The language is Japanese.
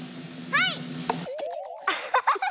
はい。